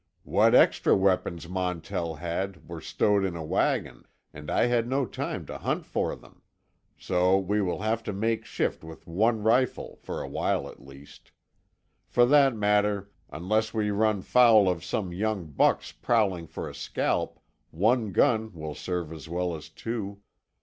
"What extra weapons Montell had were stowed in a wagon, and I had no time to hunt for them. So we will have to make shift with one rifle—for a while, at least. For that matter, unless we run foul of some young bucks prowling for a scalp, one gun will serve as well as two.